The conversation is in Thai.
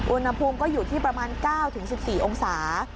อุณหภูมิก็อยู่ที่ประมาณ๙๑๔องศา